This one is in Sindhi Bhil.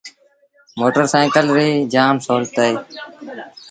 موٽر سآئيٚڪل ريٚ جآم سولت اهي۔